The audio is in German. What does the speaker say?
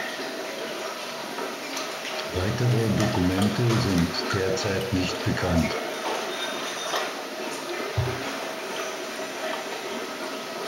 Weitere Dokumente sind derzeit nicht bekannt.